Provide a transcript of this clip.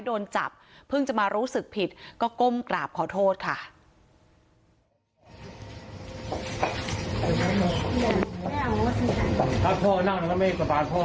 พ่อนั่งแล้วก็ไม่กลับบ้านพ่อไม่เรียก